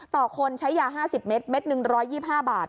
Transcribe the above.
ต่อคนใช้ยา๕๐เมตรเม็ดหนึ่ง๑๒๕บาท